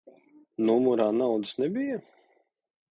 Numurā naudas nebija?